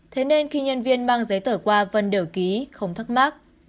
thế nên khi nhân viên mang giấy tờ qua vân đều ký không thắc mắc